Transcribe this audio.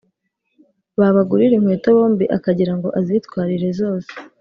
babagurira inkweto bombi akagira ngo azitwarire zose.